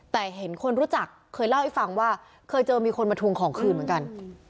แต่เห็นคนรู้จักเคยเล่าให้ฟังว่าเคยเจอมีคนมาทวงของคืนเหมือนกัน